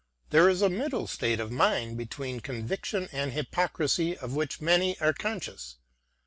There is a middle state of mind between conviction and hypocrisy of which many are conscious.